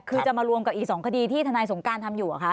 คือจะมารวมกับอีก๒คดีที่ทนายสงการทำอยู่เหรอคะ